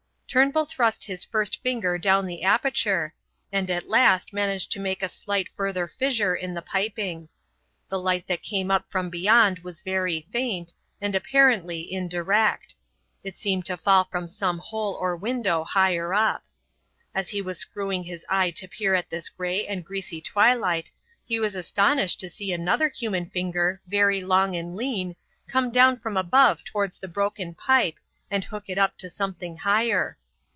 Turnbull thrust his first finger down the aperture, and at last managed to make a slight further fissure in the piping. The light that came up from beyond was very faint, and apparently indirect; it seemed to fall from some hole or window higher up. As he was screwing his eye to peer at this grey and greasy twilight he was astonished to see another human finger very long and lean come down from above towards the broken pipe and hook it up to something higher.